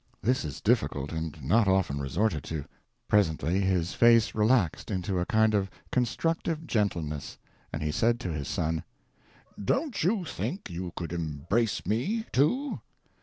This is difficult, and not often resorted to. Presently his face relaxed into a kind of constructive gentleness, and he said to his son: "Don't you think you could embrace me, too?"